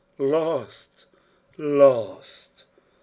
Lost!! LOST!!!